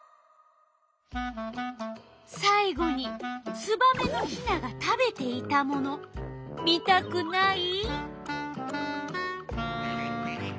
さい後にツバメのヒナが食べていたもの見たくない？